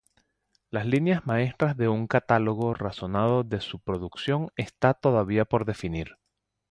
Las líneas maestras de un catálogo razonado de su producción están todavía por definir.